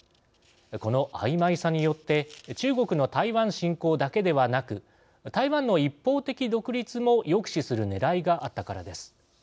この、あいまいさによって中国の台湾侵攻だけではなく台湾の一方的独立も抑止するねらいがあったからです。